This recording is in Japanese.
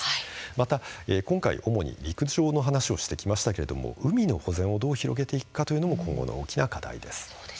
また今回、主に陸上の話をしてきましたけれども海の保全をどう広げていくかというのも今後の大きな課題です。